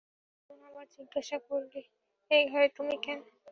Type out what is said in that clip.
মধুসূদন আবার জিজ্ঞাসা করলে, এ ঘরে তুমি কেন?